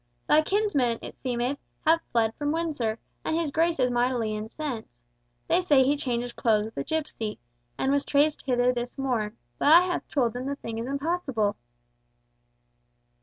Thy kinsman, it seemeth, hath fled from Windsor, and his Grace is mightily incensed. They say he changed clothes with a gipsy, and was traced hither this morn, but I have told them the thing is impossible."